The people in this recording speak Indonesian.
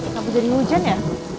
nggak bisa dingin hujan ya